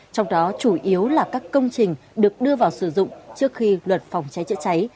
trong đó chủ yếu là các công trình được đưa vào sử dụng trước khi luật phòng cháy chữa cháy